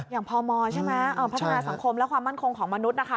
พมใช่ไหมพัฒนาสังคมและความมั่นคงของมนุษย์นะคะ